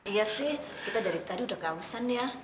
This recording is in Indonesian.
iya sih kita dari tadi udah kawasan ya